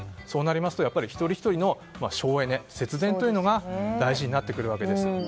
そうなりますと一人ひとりの省エネ節電が大事になってくるわけです。